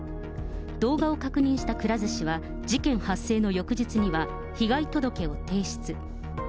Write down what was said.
動画を確認したくら寿司は事件発生の翌日には、被害届を提出。